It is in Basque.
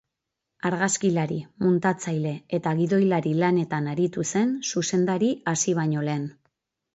Argazkilari-, muntatzaile- eta gidoilari-lanetan aritu zen zuzendari hasi baino lehen.